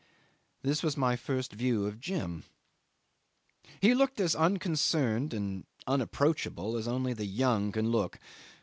This was my first view of Jim. He looked as unconcerned and unapproachable as only the young can look.